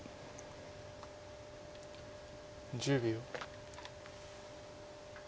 １０秒。